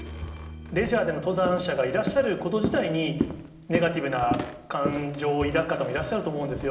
レジャーでの登山者がいらっしゃること自体に、ネガティブな感情を抱く方もいらっしゃると思うんですよ。